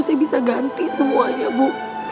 saya bisa ganti semuanya bu